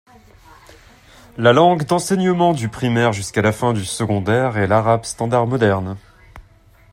La langue d'enseignement du primaire jusqu'à la fin du secondaire est l'arabe standard moderne.